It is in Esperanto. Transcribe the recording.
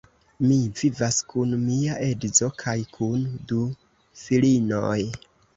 Mi vivas kun mia edzo kaj kun du filinoj.